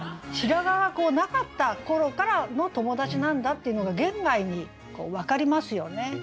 白髪がなかった頃からの友達なんだっていうのが言外に分かりますよね。